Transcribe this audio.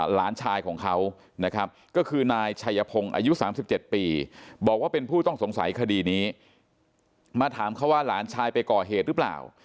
หลานชายของเขานะครับก็คือนายชัยพงศ์อายุ๓๗ปีบอกว่าเป็นผู้ต้องสงสัยคดีนี้มาถามเขาว่าหลานชายไปก่อเหตุหรือเปล่า